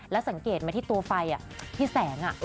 แล้วสังเกตมาที่ตัวไฟอ่ะที่แสงอ่ะ